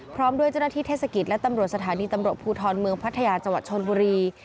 พร้อมด้วยเจ้าหน้าที่เทศกิจและตำรวจสถานีตำรวจภูทรเมืองพัทยาจังหวัดชนบุรี